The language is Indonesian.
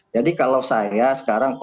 jadi kalau saya sekarang